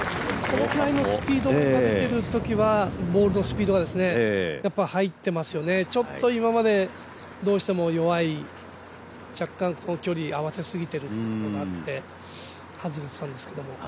このくらいのボールのスピードが出てるときは、やっぱり入っていますよね、今までどうしても弱い若干距離合わせすぎているのもあって外れていたんですけど。